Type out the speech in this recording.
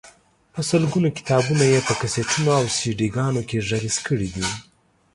په سلګونو کتابونه یې په کیسټونو او سیډيګانو کې غږیز کړي دي.